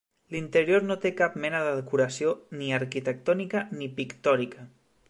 L'interior no té cap mena de decoració ni arquitectònica ni pictòrica.